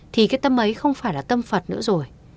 thì cái tâm ấy không phải là tâm phật nữa rồi